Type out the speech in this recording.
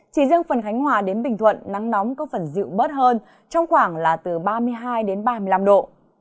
chỉ riêng phần khánh hòa đến bình thuận nắng nóng có phần dịu bớt hơn trong khoảng là từ ba mươi hai đến ba mươi năm độ